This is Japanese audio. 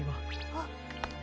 あっ。